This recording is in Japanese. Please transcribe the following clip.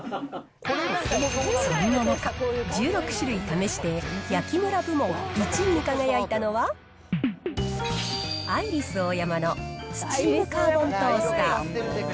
そんな中、１６種類試して、焼きむら部門１位に輝いたのは、アイリスオーヤマのスチームカーボントースター。